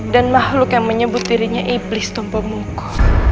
dan makhluk yang menyebut dirinya iblis tumpomuku